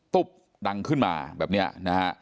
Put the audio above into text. ตุ๊บดังขึ้นมาแบบนี้นะฮะ